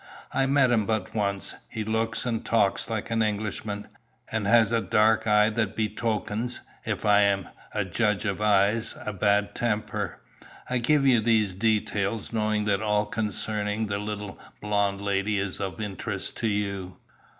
I met him but once. He looks and talks like an Englishman, and has a dark eye that betokens, if I am a judge of eyes, a bad temper. I give you these details knowing that all concerning the little blonde lady is of interest to you."